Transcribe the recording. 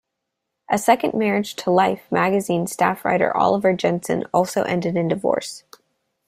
A second marriage to "Life" magazine staff writer Oliver Jensen also ended in divorce.